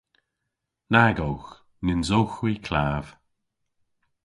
Nag owgh. Nyns owgh hwi klav.